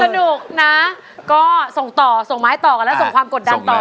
สนุกนะก็ส่งต่อส่งไม้ต่อกันแล้วส่งความกดดันต่อ